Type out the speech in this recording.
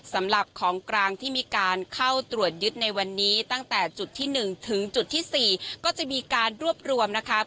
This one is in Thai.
สำหรับของกลางที่มีการเข้าตรวจยึดในวันนี้ตั้งแต่จุดที่๑ถึงจุดที่๔ก็จะมีการรวบรวมนะคะ